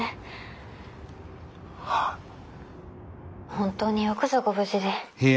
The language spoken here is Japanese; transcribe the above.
本当によくぞご無事で。